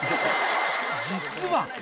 実は。